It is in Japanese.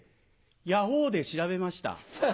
ヤホーで調べました。